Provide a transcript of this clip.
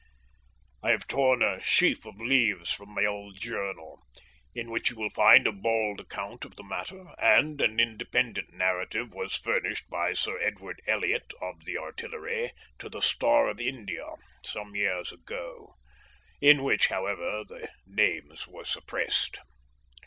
I have torn a sheaf of leaves from my old journal, in which you will find a bald account of the matter, and an independent narrative was furnished by Sir Edward Elliott, of the Artillery, to the Star of India some years ago in which, however, the names were suppressed.